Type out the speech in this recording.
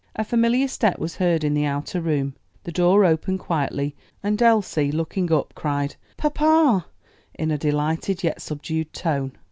A familiar step was heard in the outer room. The door opened quietly, and Elsie looking up cried, "Papa," in a delighted yet subdued tone.